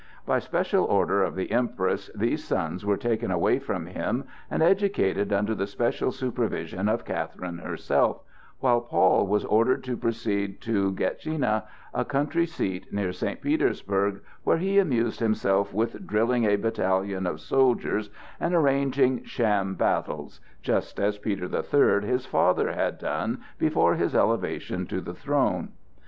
By special order of the Empress these sons were taken away from him and educated under the special supervision of Catherine herself, while Paul was ordered to proceed to Gatschina, a country seat near St. Petersburg, where he amused himself with drilling a battalion of soldiers and arranging sham battles, just as Peter the Third, his father, had done before his elevation to the throne.